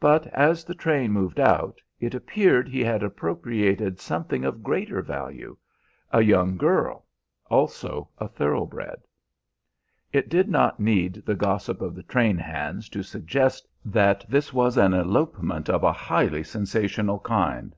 "But as the train moved out it appeared he had appropriated something of greater value a young girl, also a thoroughbred. "It did not need the gossip of the train hands to suggest that this was an elopement of a highly sensational kind.